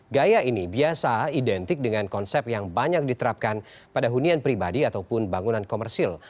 gaya ini biasa identik dengan konsep yang banyak diterapkan pada hunian pribadi ataupun bangunan komersil